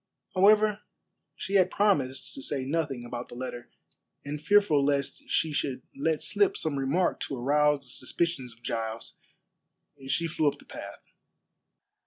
However, she had promised to say nothing about the letter, and fearful lest she should let slip some remark to arouse the suspicions of Giles, she flew up the path.